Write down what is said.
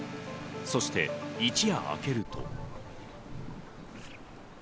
そして一夜明けると。